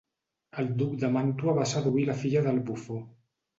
El Duc de Màntua va seduir la filla del bufó.